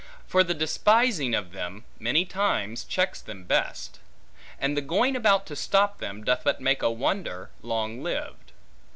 For the despising of them, many times checks them best; and the going about to stop them, doth but make a wonder long lived.